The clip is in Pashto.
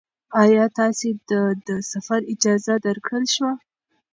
ایا تاسې ته د سفر اجازه درکړل شوه؟